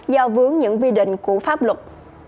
do vướng những vi định của pháp luật